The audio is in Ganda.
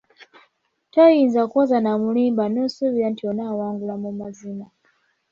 Toyinza kuwoza n’amulimba n’osuubira nti onaawangula mu mazima.